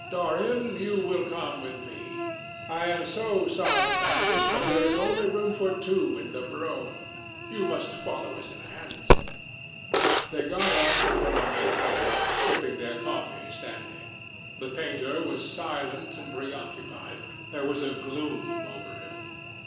Dorian, you will come with me. I am so sorry, Basil, but there is only room for two in the brougham. You must follow us in a hansom." They got up and put on their coats, sipping their coffee standing. The painter was silent and preoccupied. There was a gloom over him.